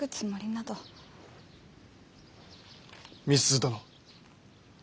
美鈴殿。